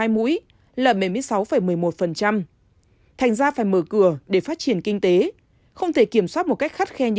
hai mũi là bảy mươi sáu một mươi một thành ra phải mở cửa để phát triển kinh tế không thể kiểm soát một cách khắt khe